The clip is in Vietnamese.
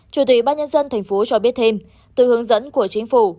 chủ tịch ban nhân dân thành phố cho biết thêm từ hướng dẫn của chính phủ